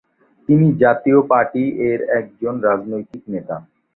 তিনি জাতীয় পাটি এর একজন রাজনৈতিক নেতা।